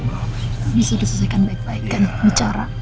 abis itu susah kan baik baik kan bicara